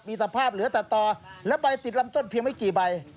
สภาพเหลือแต่ต่อและใบติดลำต้นเพียงไม่กี่ใบ